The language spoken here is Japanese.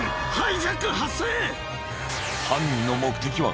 犯人の目的は？